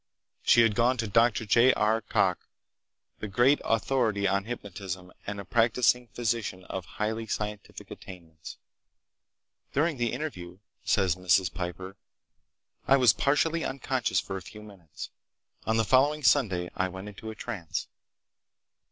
She had gone to Dr. J. R. Cocke, the great authority on hypnotism and a practicing physician of high scientific attainments. "During the interview," says Mrs. Piper, "I was partly unconscious for a few minutes. On the following Sunday I went into a trance."